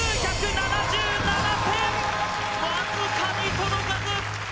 わずかに届かず！